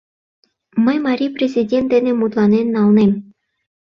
Мый марий президент дене мутланен налнем.